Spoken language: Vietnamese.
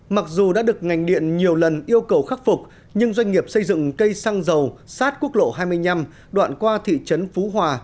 mặc dù đã được ngành điện nhiều lần yêu cầu khắc phục nhưng doanh nghiệp xây dựng cây xăng dầu sát quốc lộ hai mươi năm đoạn qua thị trấn phú hòa